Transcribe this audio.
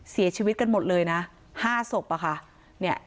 เสียชีวิตกันหมดเลยน่ะห้าศพอ่ะค่ะเนี้ย